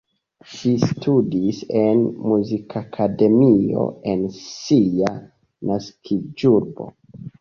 Ŝi studis en Muzikakademio en sia naskiĝurbo.